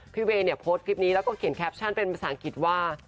เวย์เนี่ยโพสต์คลิปนี้แล้วก็เขียนแคปชั่นเป็นภาษาอังกฤษว่า